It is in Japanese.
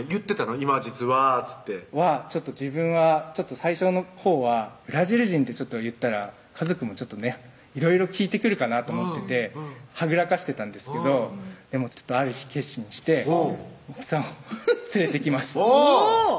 「今実は」っつって自分は最初のほうはブラジル人って言ったら家族もちょっとねいろいろ聞いてくるかなと思っててはぐらかしてたんですけどでもある日決心して奥さんを連れていきましたおぉ！